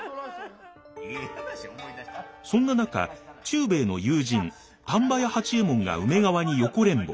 そんな中忠兵衛の友人丹波屋八右衛門が梅川に横恋慕。